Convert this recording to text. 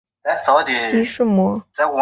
肌束膜。